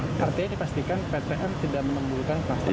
artinya dipastikan ptm tidak menembulkan klaster covid sembilan belas